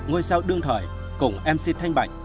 ngôi sao đương thời cùng mc thanh bạch